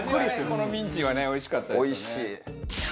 このミンチはねおいしかったですよね。